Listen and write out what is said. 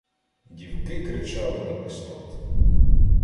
Дівки кричали на весь рот: